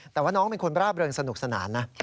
แต่ว่าน้องเป็นคนร่าเริงสนุกสนานนะ